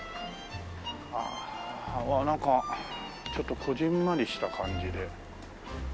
うわっなんかちょっとこぢんまりした感じでねえ。